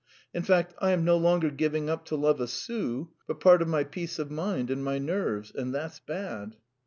In fact, I am no longer giving up to love a sous, but part of my peace of mind and my nerves. And that's bad."